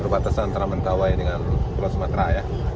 berbatasan antara mentawai dengan pulau sumatera ya